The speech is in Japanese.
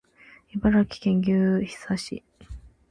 茨城県牛久市